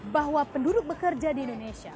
bahwa penduduk bekerja di indonesia